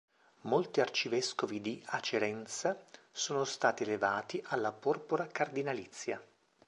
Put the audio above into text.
Molti arcivescovi di Acerenza sono stati elevati alla porpora cardinalizia.